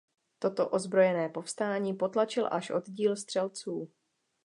Toto ozbrojené povstání potlačil až oddíl střelců.